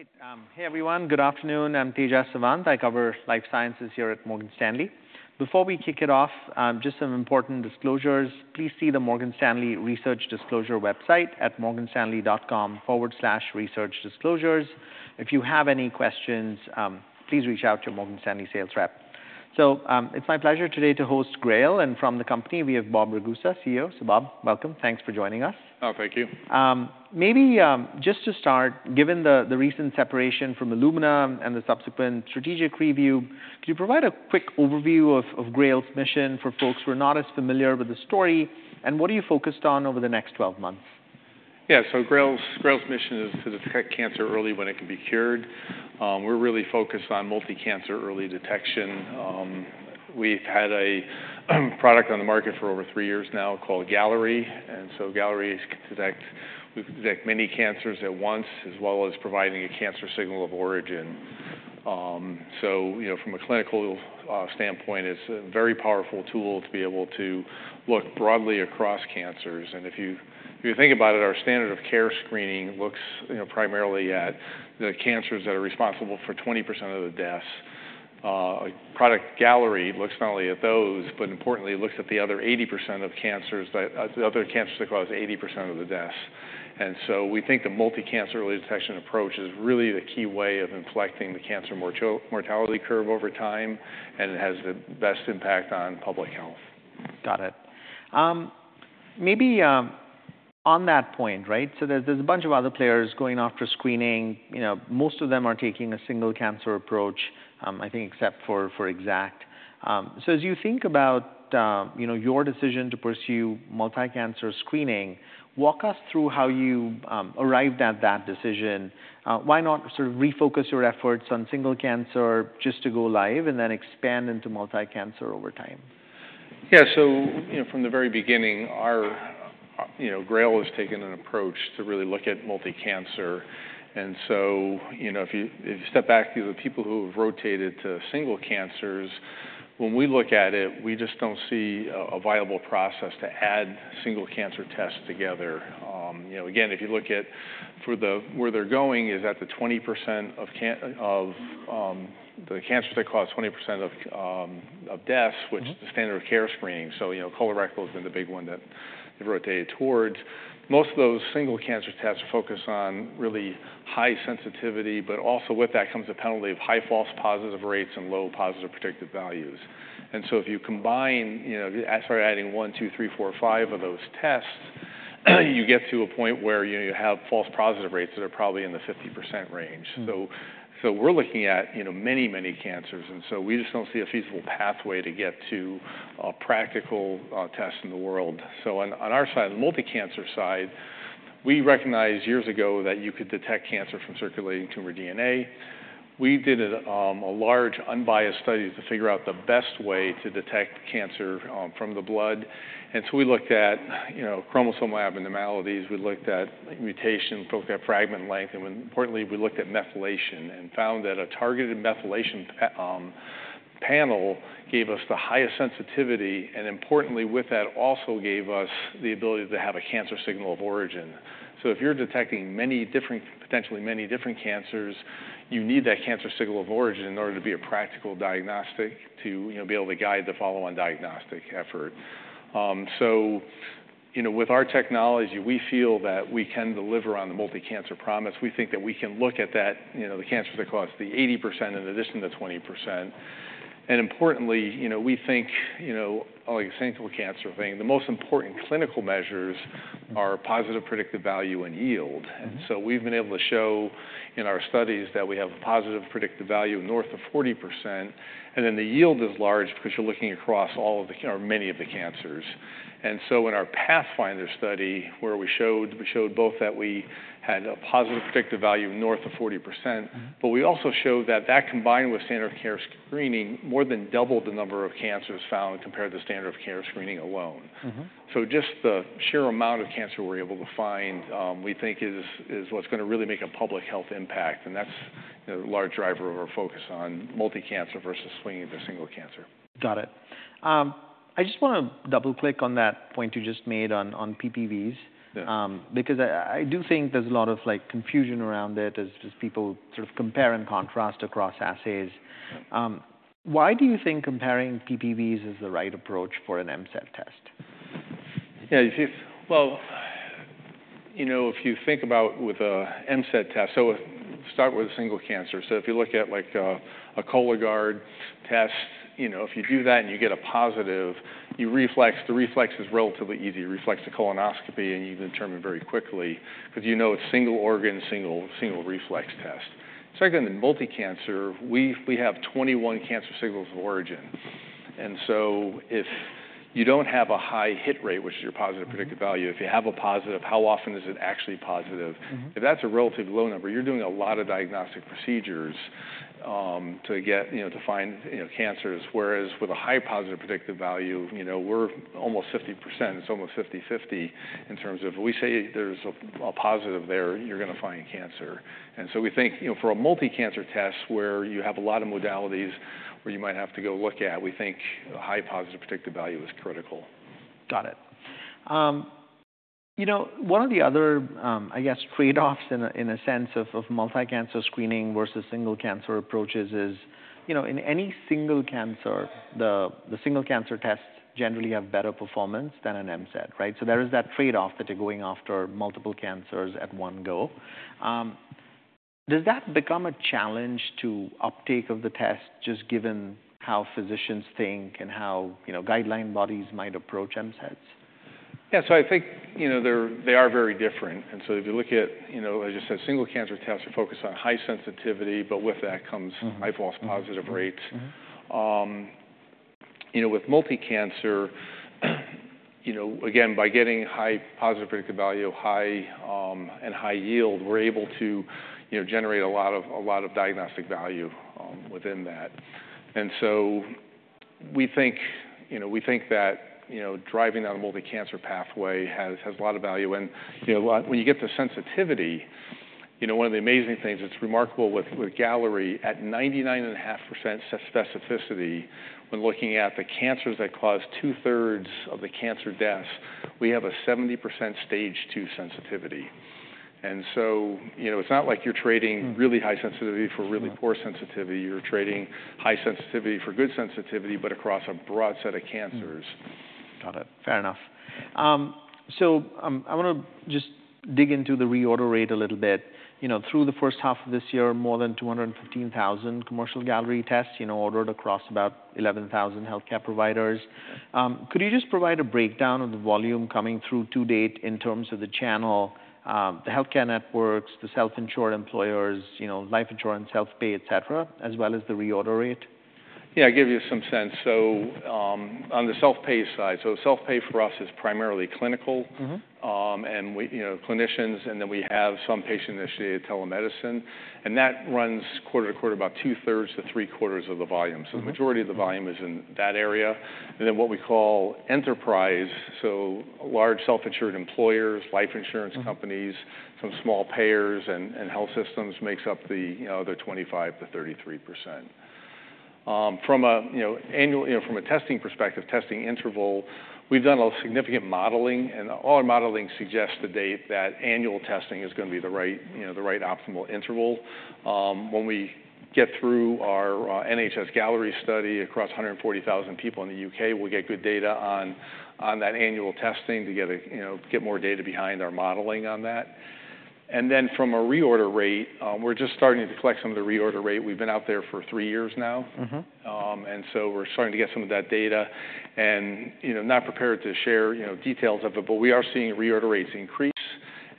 All right. Hey, everyone. Good afternoon. I'm Tejas Savant. I cover life sciences here at Morgan Stanley. Before we kick it off, just some important disclosures. Please see the Morgan Stanley Research Disclosure website at morganstanley.com/researchdisclosures. If you have any questions, please reach out to your Morgan Stanley sales rep. So, it's my pleasure today to host GRAIL, and from the company, we have Bob Ragusa, CEO. So Bob, welcome. Thanks for joining us. Oh, thank you. Maybe, just to start, given the recent separation from Illumina and the subsequent strategic review, can you provide a quick overview of GRAIL's mission for folks who are not as familiar with the story? And what are you focused on over the next 12 months? Yeah. So GRAIL's mission is to detect cancer early when it can be cured. We're really focused on multi-cancer early detection. We've had a product on the market for over three years now called Galleri. And so Galleri can detect many cancers at once, as well as providing a cancer signal of origin. So, you know, from a clinical standpoint, it's a very powerful tool to be able to look broadly across cancers. And if you think about it, our standard of care screening looks, you know, primarily at the cancers that are responsible for 20% of the deaths. Galleri looks not only at those, but importantly, it looks at the other 80% of cancers that cause 80% of the deaths. And so we think a multi-cancer early detection approach is really the key way of inflecting the cancer morbidity-mortality curve over time, and it has the best impact on public health. Got it. Maybe on that point, right, so there's a bunch of other players going after screening. You know, most of them are taking a single cancer approach, I think except for Exact, so as you think about, you know, your decision to pursue multi-cancer screening, walk us through how you arrived at that decision. Why not sort of refocus your efforts on single cancer just to go live and then expand into multi-cancer over time? Yeah. So, you know, from the very beginning, our... You know, GRAIL has taken an approach to really look at multi-cancer. And so, you know, if you step back, the people who have rotated to single cancers, when we look at it, we just don't see a viable process to add single cancer tests together. You know, again, if you look at through the-- where they're going is at the 20% of ca- of deaths- Mm-hmm... which is the standard of care screening. So, you know, colorectal has been the big one that they've rotated towards. Most of those single cancer tests focus on really high sensitivity, but also with that comes a penalty of high false positive rates and low positive predictive values. And so if you combine, you know, start adding one, two, three, four, five of those tests, you get to a point where, you know, you have false positive rates that are probably in the 50% range. Mm-hmm. So we're looking at, you know, many, many cancers, and so we just don't see a feasible pathway to get to a practical test in the world. So on our side, on the multi-cancer side, we recognized years ago that you could detect cancer from circulating tumor DNA. We did a large, unbiased study to figure out the best way to detect cancer from the blood. And so we looked at, you know, chromosome abnormalities, we looked at mutation, we looked at fragment length, and importantly, we looked at methylation, and found that a targeted methylation panel gave us the highest sensitivity, and importantly, with that, also gave us the ability to have a cancer signal of origin. If you're detecting many different, potentially many different cancers, you need that cancer signal of origin in order to be a practical diagnostic to, you know, be able to guide the follow-on diagnostic effort. So, you know, with our technology, we feel that we can deliver on the multi-cancer promise. We think that we can look at that, you know, the cancers that cause the 80% in addition to the 20%. Importantly, you know, we think, you know, like a single cancer thing, the most important clinical measures are positive predictive value and yield. Mm-hmm. So we've been able to show in our studies that we have a positive predictive value north of 40%, and then the yield is large because you're looking across all of the... or many of the cancers. And so in our PATHFINDER study, where we showed, we showed both that we had a positive predictive value north of 40%- Mm-hmm... but we also showed that, combined with standard of care screening, more than doubled the number of cancers found compared to the standard of care screening alone. Mm-hmm. So just the sheer amount of cancer we're able to find, we think is what's going to really make a public health impact, and that's a large driver of our focus on multi-cancer versus swinging to single cancer. Got it. I just want to double-click on that point you just made on PPVs. Yeah. Because I do think there's a lot of, like, confusion around it as people sort of compare and contrast across assays. Yeah. Why do you think comparing PPVs is the right approach for an MCED test? Yeah, well, you know, if you think about with a MCED test. So start with a single cancer. So if you look at, like, a Cologuard test, you know, if you do that and you get a positive, you reflex. The reflex is relatively easy. You reflex a colonoscopy, and you can determine very quickly, because you know it's single organ, single reflex test. Second, in multi-cancer, we have 21 cancer signals of origin. And so if you don't have a high hit rate, which is your positive predictive value, if you have a positive, how often is it actually positive? Mm-hmm. If that's a relatively low number, you're doing a lot of diagnostic procedures to find, you know, cancers. Whereas with a high positive predictive value, you know, we're almost 50%, it's almost 50/50 in terms of if we say there's a positive there, you're going to find cancer. And so we think, you know, for a multi-cancer test, where you have a lot of modalities, where you might have to go look at, we think a high positive predictive value is critical. Got it. You know, one of the other, I guess, trade-offs in a sense of multi-cancer screening versus single cancer approaches is, you know, in any single cancer, the single cancer tests generally have better performance than an MCED, right? So there is that trade-off that you're going after multiple cancers at one go. Does that become a challenge to uptake of the test, just given how physicians think and how, you know, guideline bodies might approach MCEDs? Yeah, so I think, you know, they are very different, and so if you look at, you know, as you said, single cancer tests are focused on high sensitivity, but with that comes- Mm-hmm High false positive rates. Mm-hmm. You know, with multi-cancer, you know, again, by getting high positive predictive value, high, and high yield, we're able to, you know, generate a lot of diagnostic value within that. And so we think, you know, we think that, you know, driving down a multi-cancer pathway has a lot of value. And, you know, a lot. When you get the sensitivity, you know, one of the amazing things that's remarkable with Galleri, at 99.5% specificity, when looking at the cancers that cause two-thirds of the cancer deaths, we have a 70% stage II sensitivity. And so, you know, it's not like you're trading- Mm. really high sensitivity for really Yeah Poor sensitivity. You're trading high sensitivity for good sensitivity, but across a broad set of cancers. Got it. Fair enough. So, I wanna just dig into the reorder rate a little bit. You know, through the first half of this year, more than 250,000 commercial Galleri tests, you know, ordered across about 11,000 healthcare providers. Could you just provide a breakdown of the volume coming through to date in terms of the channel, the healthcare networks, the self-insured employers, you know, life insurance, health payers, et cetera, as well as the reorder rate? Yeah, I'll give you some sense. So, on the self-pay side, so self-pay for us is primarily clinical. Mm-hmm. And we, you know, clinicians, and then we have some patient-initiated telemedicine, and that runs quarter to quarter, about 2/3 to three quarters of the volume. Mm-hmm. So the majority of the volume is in that area. And then what we call enterprise, so large self-insured employers, life insurance companies- Mm-hmm... some small payers and health systems makes up the, you know, the 25%-33%. From a testing perspective, testing interval, we've done a lot of significant modeling, and all our modeling suggests to date that annual testing is gonna be the right, you know, the right optimal interval. When we get through our NHS Galleri study across 140,000 people in the U.K., we'll get good data on that annual testing to get, you know, more data behind our modeling on that. And then from a reorder rate, we're just starting to collect some of the reorder rate. We've been out there for three years now. Mm-hmm. and so we're starting to get some of that data and, you know, not prepared to share, you know, details of it, but we are seeing reorder rates increase,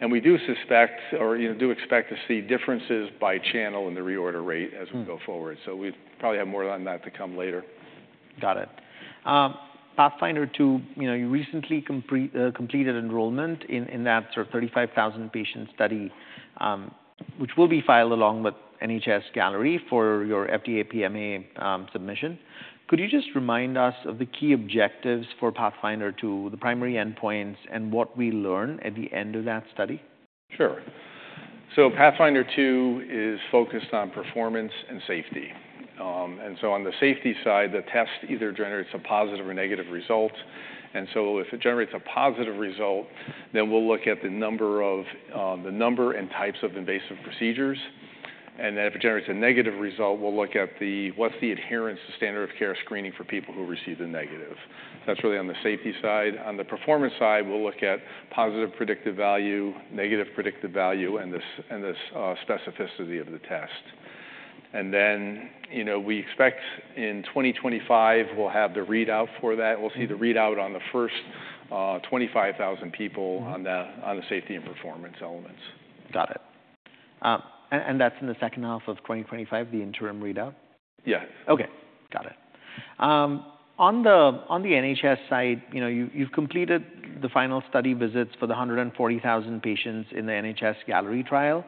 and we do suspect, or, you know, do expect to see differences by channel in the reorder rate as- Mm... we go forward. So we probably have more on that to come later. Got it. PATHFINDER 2, you know, you recently completed enrollment in that sort of 35,000-patient study, which will be filed along with NHS Galleri for your FDA PMA submission. Could you just remind us of the key objectives for PATHFINDER 2, the primary endpoints, and what we learn at the end of that study? Sure. So PATHFINDER 2 is focused on performance and safety. And so on the safety side, the test either generates a positive or negative result, and so if it generates a positive result, then we'll look at the number of, the number and types of invasive procedures, and then if it generates a negative result, we'll look at the... what's the adherence to standard of care screening for people who received a negative? That's really on the safety side. On the performance side, we'll look at positive predictive value, negative predictive value, and the sensitivity and specificity of the test. And then, you know, we expect in 2025, we'll have the readout for that. We'll see the readout on the first, 25,000 people- Mm on the safety and performance elements. Got it. And that's in the second half of 2025, the interim readout? Yeah. Okay, got it. On the NHS side, you know, you've completed the final study visits for the 140,000 patients in the NHS Galleri trial.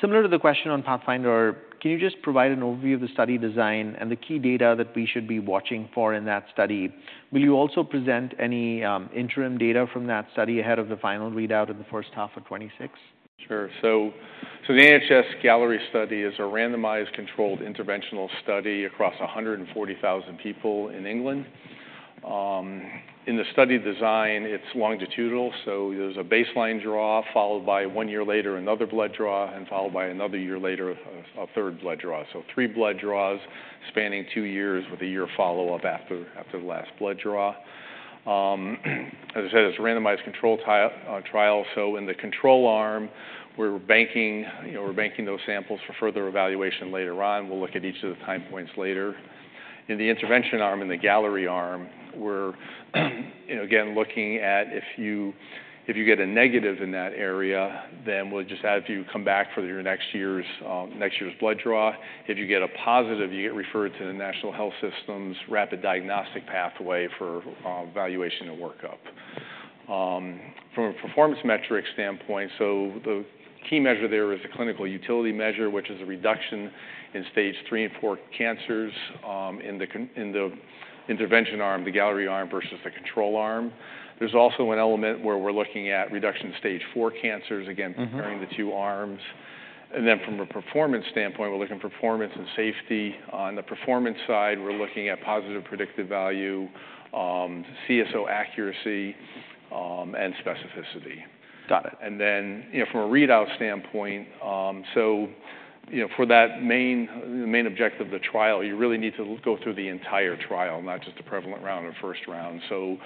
Similar to the question on PATHFINDER, can you just provide an overview of the study design and the key data that we should be watching for in that study? Will you also present any interim data from that study ahead of the final readout in the first half of 2026? Sure. So the NHS Galleri study is a randomized, controlled, interventional study across a 140,000 people in England. In the study design, it's longitudinal, so there's a baseline draw, followed by one year later, another blood draw, and followed by another year later, a third blood draw. So three blood draws spanning two years with a year follow-up after the last blood draw. As I said, it's a randomized control trial, so in the control arm, we're banking, you know, those samples for further evaluation later on. We'll look at each of the time points later. In the intervention arm, in the Galleri arm, we're, you know, again, looking at if you get a negative in that area, then we'll just have you come back for your next year's blood draw. If you get a positive, you get referred to the National Health Service rapid diagnostic pathway for evaluation and workup. From a performance metric standpoint, so the key measure there is a clinical utility measure, which is a reduction in stage III and IV cancers in the intervention arm, the Galleri arm, versus the control arm. There's also an element where we're looking at reduction in stage IV cancers, again- Mm-hmm... comparing the two arms... and then from a performance standpoint, we're looking at performance and safety. On the performance side, we're looking at positive predictive value, CSO accuracy, and specificity. Got it. And then, you know, from a readout standpoint, so, you know, for the main objective of the trial, you really need to go through the entire trial, not just the prevalent round or first round. So,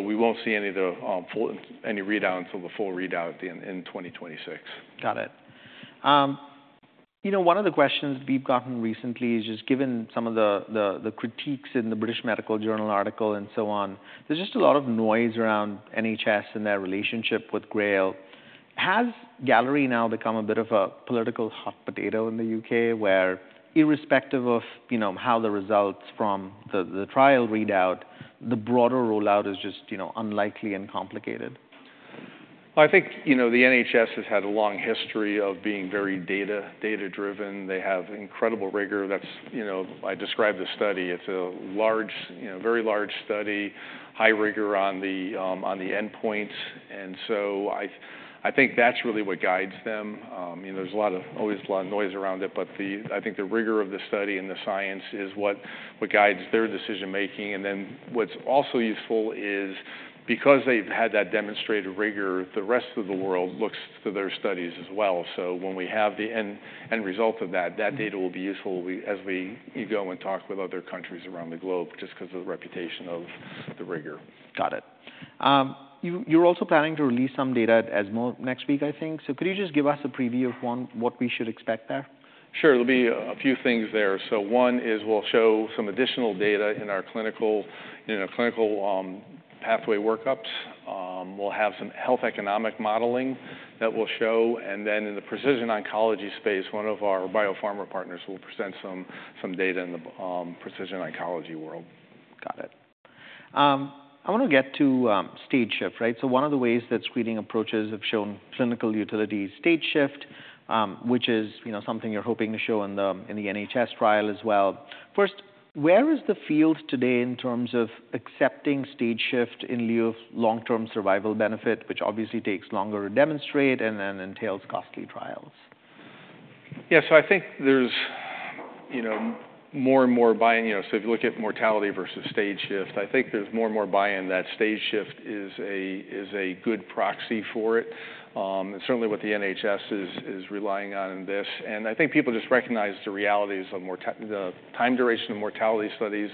we won't see any of the full readout until the full readout at the end in 2026. Got it. You know, one of the questions we've gotten recently is just given some of the critiques in the British Medical Journal article and so on, there's just a lot of noise around NHS and their relationship with GRAIL. Has Galleri now become a bit of a political hot potato in the U.K., where irrespective of, you know, how the results from the trial readout, the broader rollout is just, you know, unlikely and complicated? I think, you know, the NHS has had a long history of being very data-driven. They have incredible rigor. That's. You know, I described the study. It's a large, you know, very large study, high rigor on the endpoints, and so I think that's really what guides them. You know, there's always a lot of noise around it, but I think the rigor of the study and the science is what guides their decision making. Then what's also useful is because they've had that demonstrated rigor, the rest of the world looks to their studies as well. So when we have the end result of that, that data will be useful as we go and talk with other countries around the globe, just because of the reputation of the rigor. Got it. You, you're also planning to release some data at ESMO next week, I think. So could you just give us a preview of one, what we should expect there? Sure. There'll be a few things there. So one is we'll show some additional data in our clinical pathway workups. We'll have some health economic modeling that we'll show. And then in the precision oncology space, one of our biopharma partners will present some data in the precision oncology world. Got it. I want to get to stage shift, right? So one of the ways that screening approaches have shown clinical utility is stage shift, which is, you know, something you're hoping to show in the NHS trial as well. First, where is the field today in terms of accepting stage shift in lieu of long-term survival benefit, which obviously takes longer to demonstrate and then entails costly trials? Yeah, so I think there's, you know, more and more buy-in. You know, so if you look at mortality versus stage shift, I think there's more and more buy-in, that stage shift is a good proxy for it. Certainly what the NHS is relying on in this, and I think people just recognize the realities of the time duration of mortality studies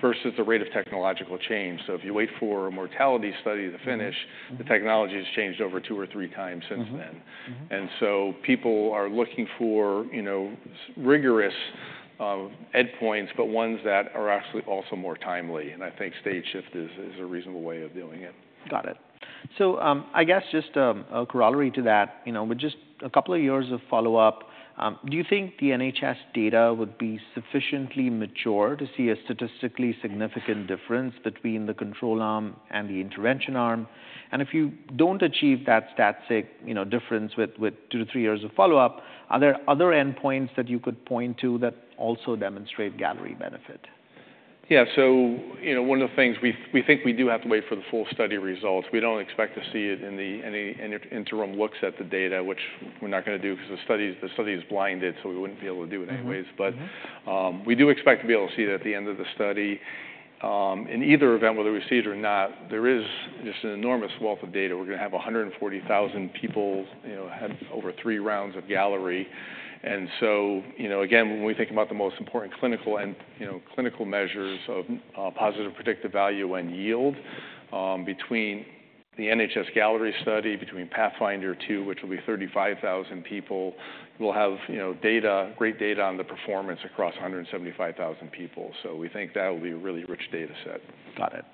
versus the rate of technological change. So if you wait for a mortality study to finish, the technology has changed over two or three times since then. Mm-hmm. And so people are looking for, you know, rigorous, endpoints, but ones that are actually also more timely, and I think stage shift is a reasonable way of doing it. Got it. So, I guess just, a corollary to that, you know, with just a couple of years of follow-up, do you think the NHS data would be sufficiently mature to see a statistically significant difference between the control arm and the intervention arm? And if you don't achieve that statistic, you know, difference with two to three years of follow-up, are there other endpoints that you could point to that also demonstrate Galleri benefit? Yeah. So you know, one of the things we think we do have to wait for the full study results. We don't expect to see it in any interim looks at the data, which we're not gonna do because the study is blinded, so we wouldn't be able to do it anyways. Mm-hmm. But, we do expect to be able to see it at the end of the study. In either event, whether we see it or not, there is just an enormous wealth of data. We're gonna have 140,000 people, you know, have over three rounds of Galleri. And so, you know, again, when we think about the most important clinical and, you know, clinical measures of positive predictive value and yield, between the NHS Galleri study, between PATHFINDER 2, which will be 35,000 people, we'll have, you know, data, great data on the performance across 175,000 people. So we think that will be a really rich data set. Got it.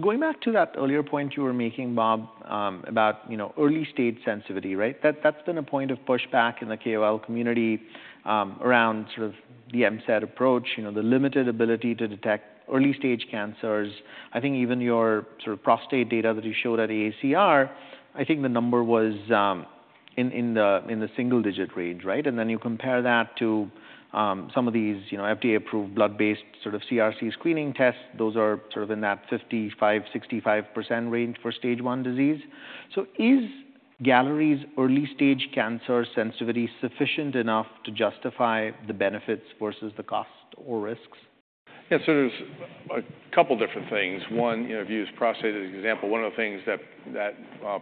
Going back to that earlier point you were making, Bob, about, you know, early-stage sensitivity, right? That's been a point of pushback in the KOL community around sort of the MCED approach, you know, the limited ability to detect early-stage cancers. I think even your sort of prostate data that you showed at AACR, I think the number was in the single-digit range, right? And then you compare that to some of these, you know, FDA-approved, blood-based, sort of CRC screening tests. Those are sort of in that 55%-65% range for Stage I disease. So is Galleri's early-stage cancer sensitivity sufficient enough to justify the benefits versus the cost or risks? Yeah. So there's a couple different things. One, you know, if you use prostate as an example, one of the things that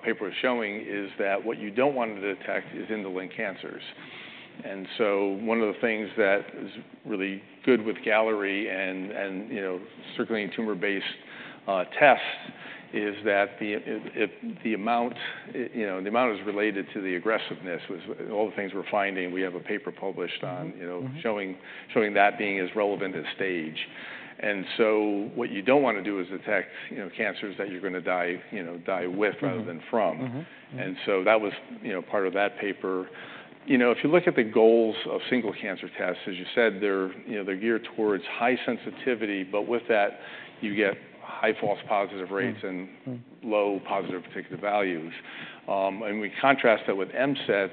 paper is showing is that what you don't want to detect is indolent cancers. And so one of the things that is really good with Galleri and, you know, circulating tumor-based tests is that it... the amount, you know, is related to the aggressiveness, was all the things we're finding. We have a paper published on- Mm-hmm, mm-hmm... you know, showing that being as relevant as stage. And so what you don't want to do is detect, you know, cancers that you're gonna die, you know, die with- Mm-hmm... rather than from. Mm-hmm. Mm-hmm. And so that was, you know, part of that paper. You know, if you look at the goals of single cancer tests, as you said, they're, you know, they're geared towards high sensitivity, but with that, you get high false positive rates. Mm, mm... and low positive predictive values. And we contrast that with MCEDs.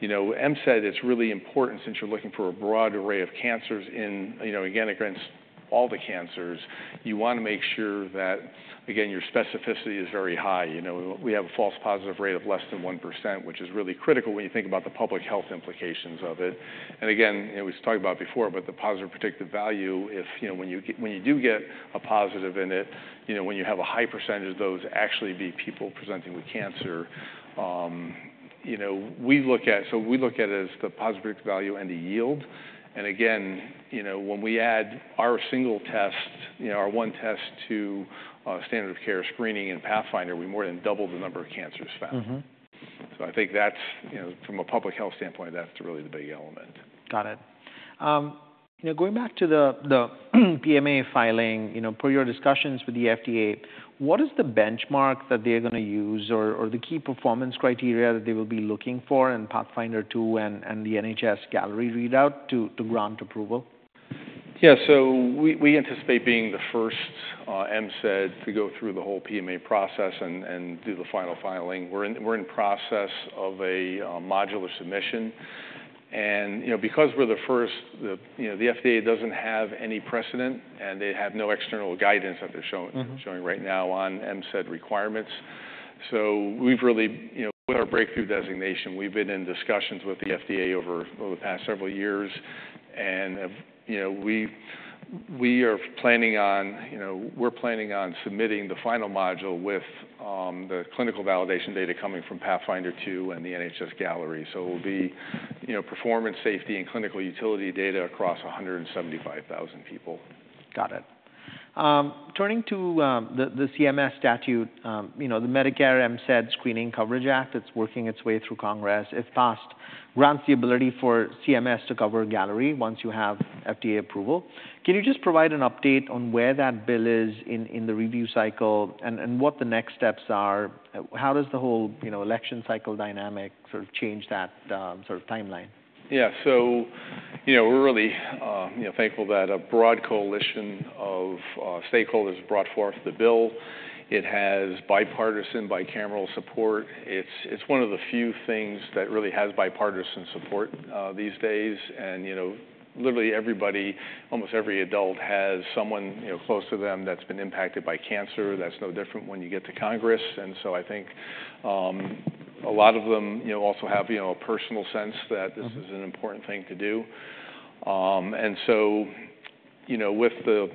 You know, MCED, it's really important since you're looking for a broad array of cancers in, you know, again, against all the cancers. You want to make sure that, again, your specificity is very high. You know, we have a false positive rate of less than 1%, which is really critical when you think about the public health implications of it. And again, you know, we talked about before, but the positive predictive value, if, you know, when you get-- when you do get a positive in it, you know, when you have a high percentage of those actually be people presenting with cancer. You know, we look at, so we look at it as the positive value and the yield. Again, you know, when we add our single test, you know, our one test to standard of care screening and PATHFINDER, we more than double the number of cancers found. Mm-hmm. So I think that's, you know, from a public health standpoint, that's really the big element. Got it. You know, going back to the PMA filing, you know, per your discussions with the FDA, what is the benchmark that they're gonna use or the key performance criteria that they will be looking for in PATHFINDER 2 and the NHS Galleri readout to grant approval? Yeah. So we anticipate being the first MCED to go through the whole PMA process and do the final filing. We're in process of a modular submission. And, you know, because we're the first, you know, the FDA doesn't have any precedent, and they have no external guidance that they're showing- Mm-hmm showing right now on MCED requirements. So we've really, you know, with our breakthrough designation, we've been in discussions with the FDA over the past several years, and, you know, we are planning on, you know, submitting the final module with the clinical validation data coming from PATHFINDER 2 and the NHS Galleri. So it'll be, you know, performance, safety, and clinical utility data across 175,000 people. Got it. Turning to the CMS statute, you know, the Medicare MCED Screening Coverage Act, that's working its way through Congress. If passed, grants the ability for CMS to cover Galleri once you have FDA approval. Can you just provide an update on where that bill is in the review cycle and what the next steps are? How does the whole, you know, election cycle dynamic sort of change that, sort of timeline? Yeah. So, you know, we're really thankful that a broad coalition of stakeholders brought forth the bill. It has bipartisan, bicameral support. It's one of the few things that really has bipartisan support these days. And, you know, literally everybody, almost every adult has someone, you know, close to them that's been impacted by cancer. That's no different when you get to Congress. And so I think a lot of them, you know, also have a personal sense that- Mm-hmm This is an important thing to do, and so, you know, with the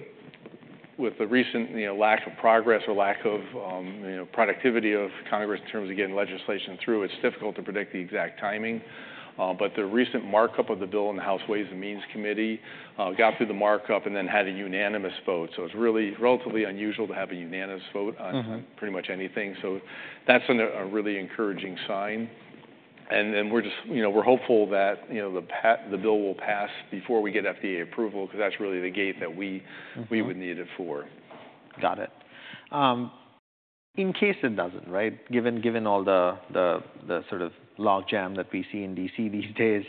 recent, you know, lack of progress or lack of productivity of Congress in terms of getting legislation through, it's difficult to predict the exact timing, but the recent markup of the bill in the House Ways and Means Committee got through the markup and then had a unanimous vote, so it's really relatively unusual to have a unanimous vote on- Mm-hmm - on pretty much anything. So that's a really encouraging sign, and then we're just... You know, we're hopeful that, you know, the bill will pass before we get FDA approval because that's really the gate that we- Mm-hmm We would need it for. Got it. In case it doesn't, right, given all the sort of logjam that we see in D.C. these days,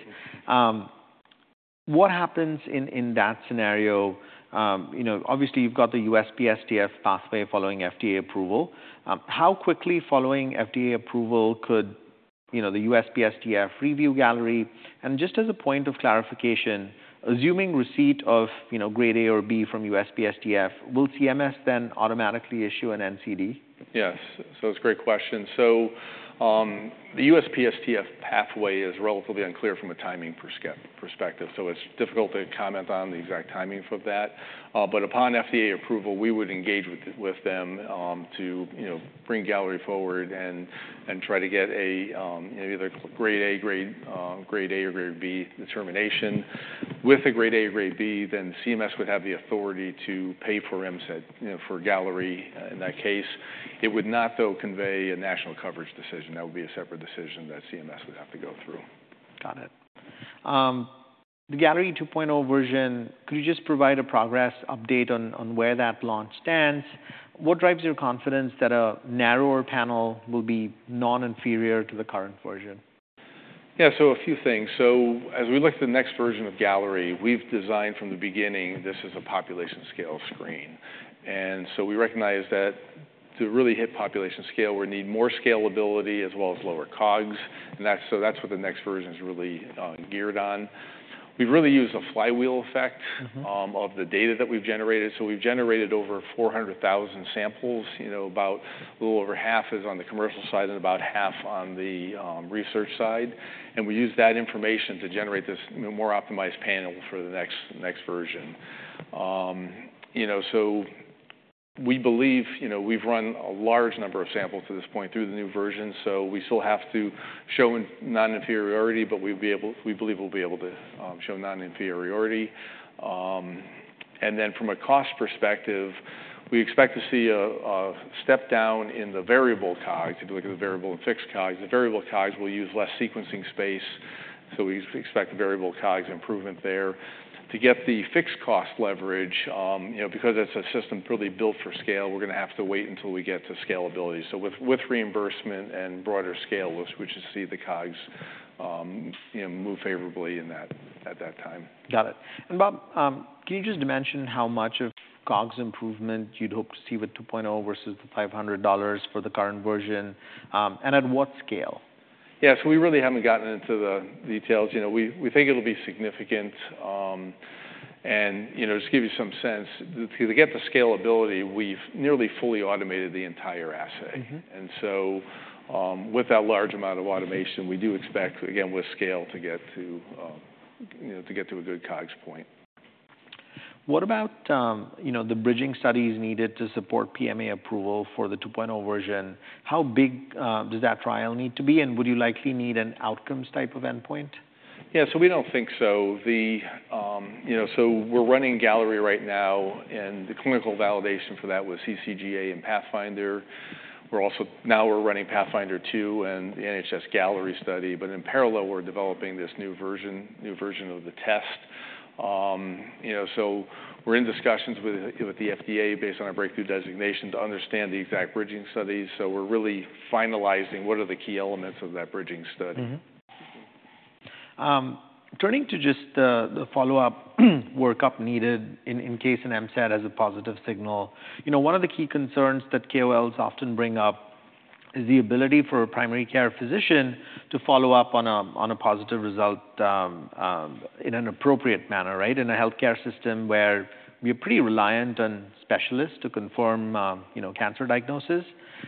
what happens in that scenario? You know, obviously, you've got the USPSTF pathway following FDA approval. How quickly following FDA approval could, you know, the USPSTF review Galleri? And just as a point of clarification, assuming receipt of, you know, grade A or B from USPSTF, will CMS then automatically issue an NCD? Yes. So it's a great question, so the USPSTF pathway is relatively unclear from a timing perspective, so it's difficult to comment on the exact timing for that, but upon FDA approval, we would engage with them to, you know, bring Galleri forward and try to get either grade A or grade B determination. With a grade A or grade B, then CMS would have the authority to pay for MCED, you know, for Galleri in that case. It would not, though, convey a national coverage decision. That would be a separate decision that CMS would have to go through. Got it. The Galleri 2.0 version, could you just provide a progress update on where that launch stands? What drives your confidence that a narrower panel will be non-inferior to the current version? Yeah, so a few things. So as we look to the next version of Galleri, we've designed from the beginning, this is a population scale screen. And so we recognize that to really hit population scale, we need more scalability as well as lower COGS, and that's, so that's what the next version is really geared on. We've really used a flywheel effect. Mm-hmm... of the data that we've generated. So we've generated over 400,000 samples. You know, about a little over half is on the commercial side and about half on the research side. And we use that information to generate this more optimized panel for the next version. You know, so we believe, you know, we've run a large number of samples at this point through the new version, so we still have to show non-inferiority, but we'll be able to. We believe we'll be able to show non-inferiority. And then from a cost perspective, we expect to see a step down in the variable COGS, to look at the variable and fixed COGS. The variable COGS will use less sequencing space, so we expect variable COGS improvement there. To get the fixed cost leverage, you know, because it's a system probably built for scale, we're gonna have to wait until we get to scalability. So with reimbursement and broader scale, we'll switch to see the COGS, you know, move favorably in that, at that time. Got it. And Bob, can you just mention how much of COGS improvement you'd hope to see with 2.0 versus the $500 for the current version, and at what scale? Yeah, so we really haven't gotten into the details. You know, we think it'll be significant. You know, just to give you some sense, to get the scalability, we've nearly fully automated the entire assay. Mm-hmm. And so, with that large amount of automation, we do expect, again, with scale, to get to, you know, to get to a good COGS point. ... What about, you know, the bridging studies needed to support PMA approval for the 2.0 version? How big does that trial need to be, and would you likely need an outcomes type of endpoint? Yeah, so we don't think so. The, you know, so we're running Galleri right now, and the clinical validation for that was CCGA and PATHFINDER. We're also now running PATHFINDER 2 and the NHS Galleri study, but in parallel, we're developing this new version, new version of the test. You know, so we're in discussions with the FDA based on our breakthrough designation, to understand the exact bridging studies. So we're really finalizing what are the key elements of that bridging study. Mm-hmm. Turning to just the follow-up workup needed in case an MCED has a positive signal. You know, one of the key concerns that KOLs often bring up is the ability for a primary care physician to follow up on a positive result in an appropriate manner, right? In a healthcare system where we are pretty reliant on specialists to confirm you know, cancer diagnosis.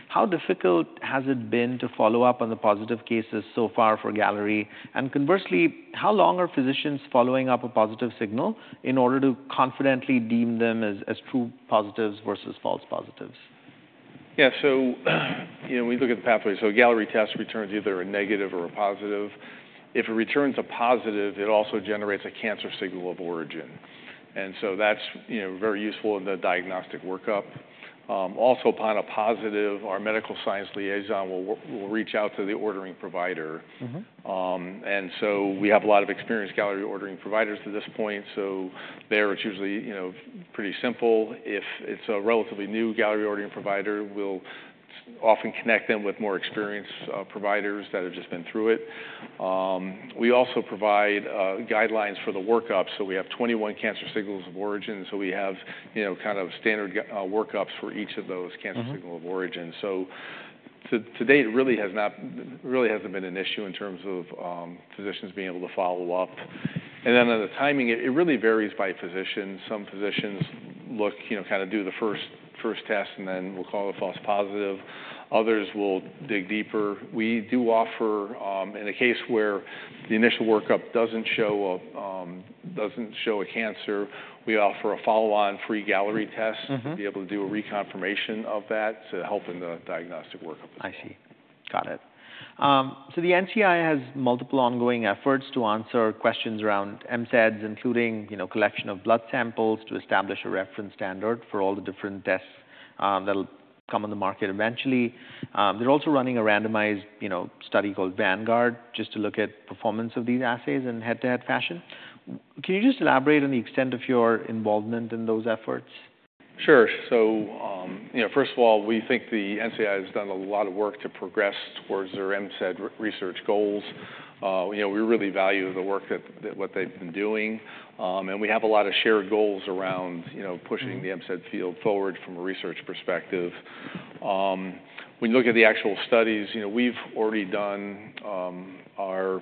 How difficult has it been to follow up on the positive cases so far for Galleri? And conversely, how long are physicians following up a positive signal in order to confidently deem them as true positives versus false positives? Yeah, so, you know, we look at the pathway. So a Galleri test returns either a negative or a positive. If it returns a positive, it also generates a cancer signal of origin, and so that's, you know, very useful in the diagnostic workup. Also, upon a positive, our medical science liaison will reach out to the ordering provider. Mm-hmm. And so we have a lot of experienced Galleri ordering providers to this point, so there it's usually, you know, pretty simple. If it's a relatively new Galleri ordering provider, we'll often connect them with more experienced providers that have just been through it. We also provide guidelines for the workup, so we have 21 cancer signals of origin. So we have, you know, kind of standard workups for each of those- Mm-hmm... cancer signal of origin. So to date, it really has not, really hasn't been an issue in terms of physicians being able to follow up. And then the timing, it really varies by physician. Some physicians look, you know, kind of do the first test and then we'll call it a false positive. Others will dig deeper. We do offer... In a case where the initial workup doesn't show a cancer, we offer a follow-on free Galleri test- Mm-hmm... to be able to do a reconfirmation of that, to help in the diagnostic workup. I see. Got it. So the NCI has multiple ongoing efforts to answer questions around MCEDs, including, you know, collection of blood samples, to establish a reference standard for all the different tests, that'll come on the market eventually. They're also running a randomized, you know, study called Vanguard, just to look at performance of these assays in head-to-head fashion. Can you just elaborate on the extent of your involvement in those efforts? Sure. So, you know, first of all, we think the NCI has done a lot of work to progress towards their MCED research goals. You know, we really value the work that they've been doing, and we have a lot of shared goals around, you know, pushing- Mm-hmm... the MCED field forward from a research perspective. When you look at the actual studies, you know, we've already done our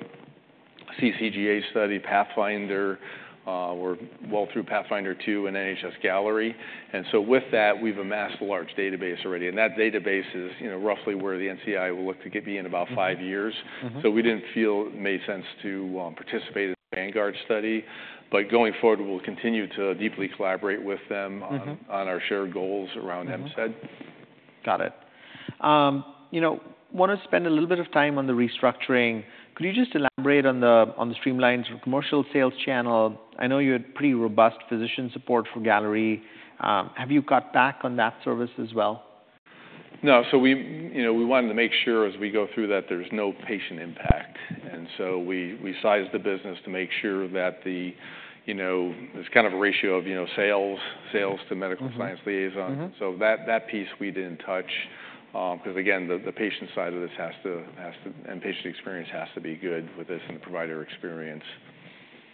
CCGA study, PATHFINDER. We're well through PATHFINDER 2 and NHS Galleri, and so with that, we've amassed a large database already. That database is, you know, roughly where the NCI will look to get to be in about five years. Mm-hmm. So we didn't feel it made sense to participate in the Vanguard study, but going forward, we'll continue to deeply collaborate with them on- Mm-hmm... on our shared goals around MCED. Mm-hmm. Got it. You know, want to spend a little bit of time on the restructuring. Could you just elaborate on the streamlined commercial sales channel? I know you had pretty robust physician support for Galleri. Have you cut back on that service as well? No. So we, you know, we wanted to make sure as we go through that, there's no patient impact, and so we, we sized the business to make sure that the... You know, it's kind of a ratio of, you know, sales, sales to medical- Mm-hmm... science liaisons. Mm-hmm. So that piece we didn't touch, 'cause again, the patient side of this has to, and patient experience has to be good with this and the provider experience.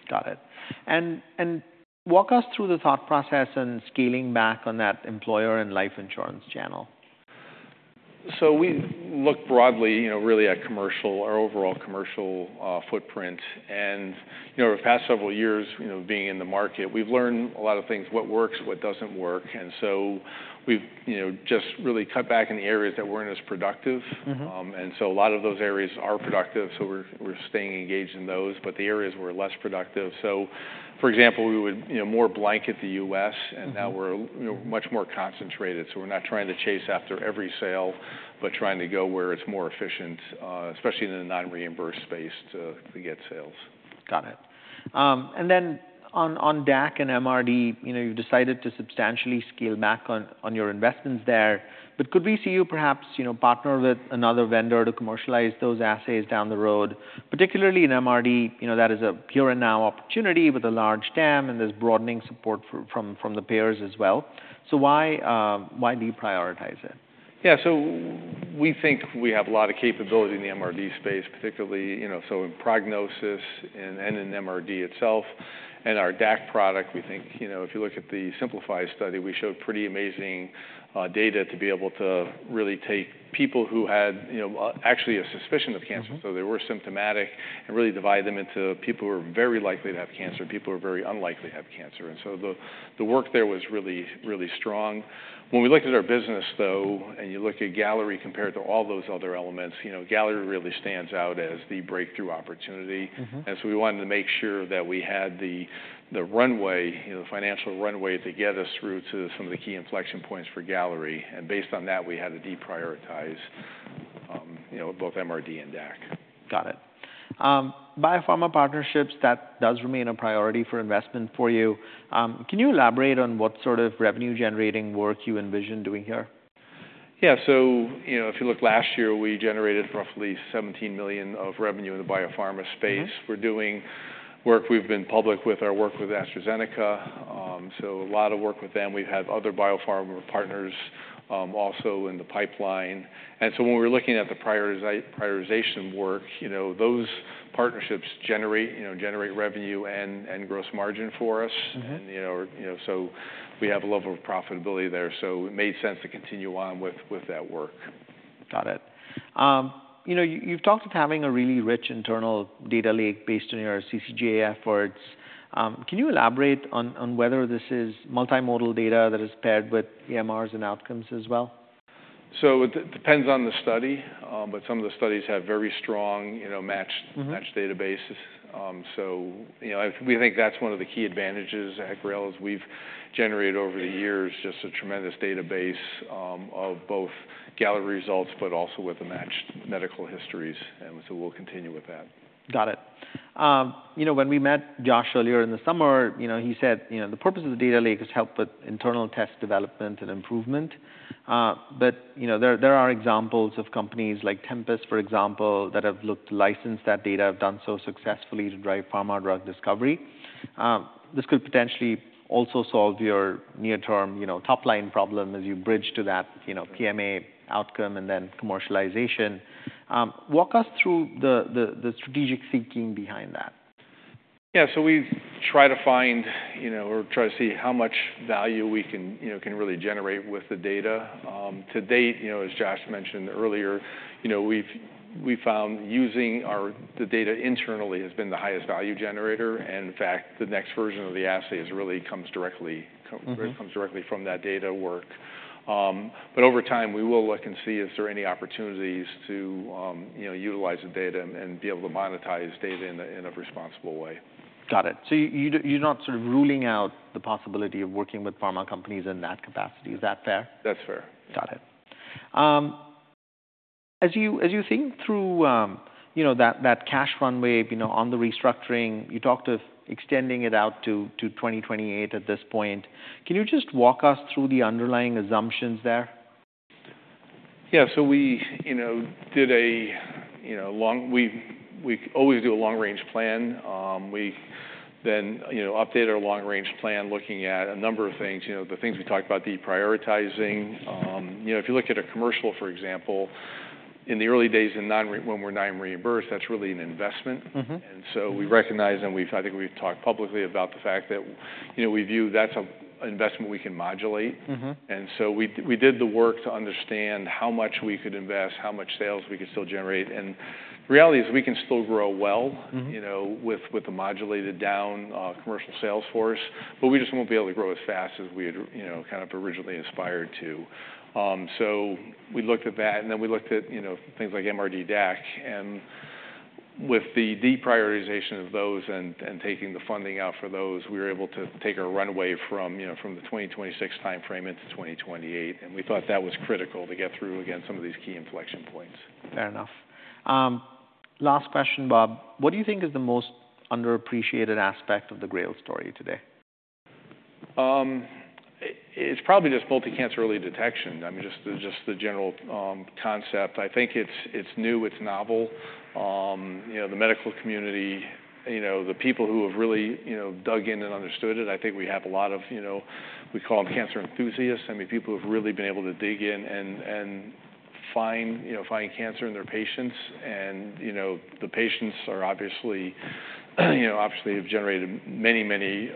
Got it. Walk us through the thought process in scaling back on that employer and life insurance channel. So we look broadly, you know, really at commercial, our overall commercial footprint. And, you know, over the past several years, you know, being in the market, we've learned a lot of things, what works, what doesn't work, and so we've, you know, just really cut back in the areas that weren't as productive. Mm-hmm. And so a lot of those areas are productive, so we're staying engaged in those, but the areas were less productive, so for example, we would, you know, more blanket the U.S.- Mm-hmm... and now we're, you know, much more concentrated. So we're not trying to chase after every sale, but trying to go where it's more efficient, especially in the non-reimbursed space, to get sales. Got it. And then on DAC and MRD, you know, you've decided to substantially scale back on your investments there, but could we see you perhaps, you know, partner with another vendor to commercialize those assays down the road? Particularly in MRD, you know, that is a growing opportunity with a large TAM, and there's broadening support from the payers as well. So why deprioritize it? Yeah. So we think we have a lot of capability in the MRD space particularly, you know, so in prognosis and, and in MRD itself. And our DAC product, we think, you know, if you look at the SYMPLIFY study, we showed pretty amazing data to be able to really take people who had, you know, actually a suspicion of cancer. Mm-hmm. They were symptomatic, and really divide them into people who are very likely to have cancer and people who are very unlikely to have cancer. The work there was really, really strong. When we looked at our business, though, and you look at Galleri compared to all those other elements, you know, Galleri really stands out as the breakthrough opportunity. Mm-hmm. And so we wanted to make sure that we had the runway, you know, the financial runway to get us through to some of the key inflection points for Galleri. And based on that, we had to deprioritize, you know, both MRD and DAC. Got it. Biopharma partnerships, that does remain a priority for investment for you. Can you elaborate on what sort of revenue-generating work you envision doing here? Yeah. So, you know, if you look last year, we generated roughly $17 million of revenue in the biopharma space. Mm-hmm. We're doing work... We've been public with our work with AstraZeneca, so a lot of work with them. We have other biopharma partners, also in the pipeline. And so when we're looking at the prioritization work, you know, those partnerships generate, you know, revenue and gross margin for us. Mm-hmm. You know, you know, so we have a level of profitability there, so it made sense to continue on with that work. Got it. You know, you've talked of having a really rich internal data lake based on your CCGA efforts. Can you elaborate on whether this is multimodal data that is paired with EMRs and outcomes as well? It depends on the study, but some of the studies have very strong, you know, matched- Mm-hmm... matched databases. So you know, we think that's one of the key advantages at GRAIL, is we've generated over the years just a tremendous database of both Galleri results, but also with the matched medical histories, and so we'll continue with that. Got it. You know, when we met Josh earlier in the summer, you know, he said, you know, the purpose of the data lake is to help with internal test development and improvement. But, you know, there are examples of companies like Tempus, for example, that have looked to license that data, have done so successfully to drive pharma drug discovery. This could potentially also solve your near-term, you know, top-line problem as you bridge to that, you know, PMA outcome and then commercialization. Walk us through the strategic thinking behind that. Yeah, so we've tried to find, you know, or tried to see how much value we can, you know, can really generate with the data. To date, you know, as Josh mentioned earlier, you know, we've found using our... the data internally has been the highest value generator, and in fact, the next version of the assay is really comes directly- Mm-hmm... comes directly from that data work. But over time, we will look and see if there are any opportunities to, you know, utilize the data and be able to monetize data in a responsible way. Got it. So you're not sort of ruling out the possibility of working with pharma companies in that capacity. Is that fair? That's fair. Got it. As you think through, you know, that cash runway, you know, on the restructuring, you talked of extending it out to 2028 at this point. Can you just walk us through the underlying assumptions there? Yeah, so we always do a long-range plan. We then, you know, update our long-range plan, looking at a number of things, you know, the things we talked about deprioritizing. You know, if you look at a commercial, for example, in the early days, when we're non-reimbursed, that's really an investment. Mm-hmm. We recognize and I think we've talked publicly about the fact that, you know, we view that as an investment we can modulate. Mm-hmm. And so we did the work to understand how much we could invest, how much sales we could still generate. And the reality is we can still grow well- Mm-hmm... you know, with the modulated down commercial sales force, but we just won't be able to grow as fast as we had, you know, kind of originally aspired to. So we looked at that, and then we looked at, you know, things like MRD/DAC, and with the deprioritization of those and taking the funding out for those, we were able to take our runway from, you know, from the 2026 timeframe into 2028, and we thought that was critical to get through, again, some of these key inflection points. Fair enough. Last question, Bob. What do you think is the most underappreciated aspect of the GRAIL story today? It's probably just multi-cancer early detection. I mean, just the general concept. I think it's new, it's novel. You know, the medical community, you know, the people who have really, you know, dug in and understood it, I think we have a lot of, you know, we call them cancer enthusiasts. I mean, people who have really been able to dig in and find, you know, finding cancer in their patients. You know, the patients are obviously, you know, have generated many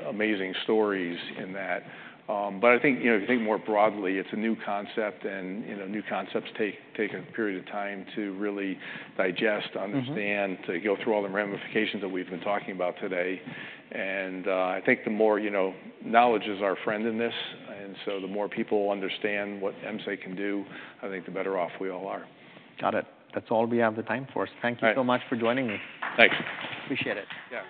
amazing stories in that. But I think, you know, if you think more broadly, it's a new concept and, you know, new concepts take a period of time to really digest- Mm-hmm... understand, to go through all the ramifications that we've been talking about today. And, I think the more, you know, knowledge is our friend in this, and so the more people understand what MCED can do, I think the better off we all are. Got it. That's all we have the time for. All right. Thank you so much for joining me. Thanks. Appreciate it. Yeah.